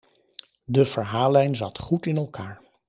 De verhaallijn zat goed in elkaar.